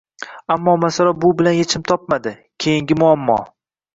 Ammo masala bu bilan yechim topmadi. Keyingi muammo: